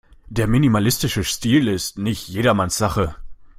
Der minimalistische Stil ist nicht jedermanns Sache.